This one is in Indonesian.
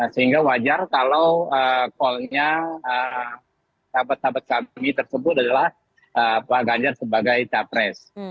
sehingga wajar kalau callnya sahabat sahabat kami tersebut adalah pak ganjar sebagai capres